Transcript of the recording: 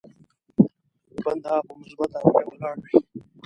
بنده په مثبته رويه ولاړ وي.